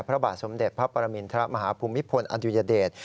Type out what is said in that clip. พระบาทสมเด็จพระปรมินทรมาฮภูมิพลอดุญเดช